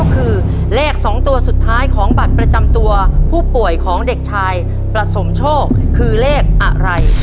คือเลข๒ตัวสุดท้ายของบัตรประจำตัวผู้ป่วยของเด็กชายประสมโชคคือเลขอะไร